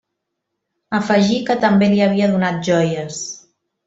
Afegí que també li havia donat joies.